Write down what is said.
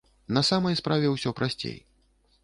На самай справе ўсё прасцей.